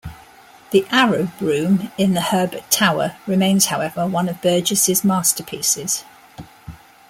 The Arab Room in the Herbert Tower remains however one of Burges's masterpieces.